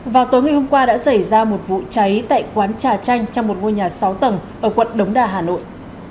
vào tối ngày hôm qua đã xảy ra một vụ cháy tại quán trà chanh trong một ngôi nhà sáu tầng ở quận đống đà hà nội